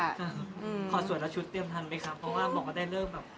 ขอสวนแล้วชุดเตรียมทันไหมคะเพราะว่าหมอก็ได้เลือกแบบ